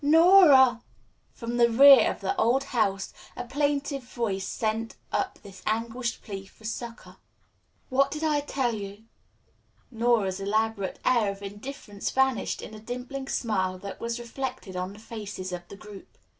"No ra!" From the rear of the old house a plaintive voice sent up this anguished plea for succor. "What did I tell you?" Nora's elaborate air of indifference vanished in a dimpling smile that was reflected on the faces of the group.